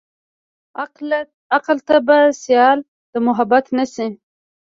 عقله ته به سيال د محبت نه شې.